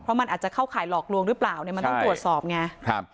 เพราะมันอาจจะเข้าขายหลอกลวงหรือเปล่ามันต้องตรวจสอบไง